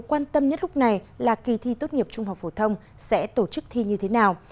quan tâm nhất lúc này là kỳ thi tốt nghiệp trung học phổ thông sẽ tổ chức thi như thế nào